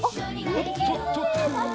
おっとっとっと！